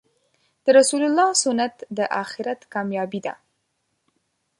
د رسول الله سنت د آخرت کامیابې ده .